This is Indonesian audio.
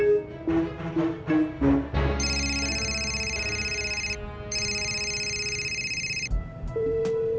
aku mau ke tempat yang lebih baik